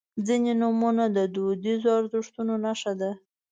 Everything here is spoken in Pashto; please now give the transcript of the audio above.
• ځینې نومونه د دودیزو ارزښتونو نښه ده.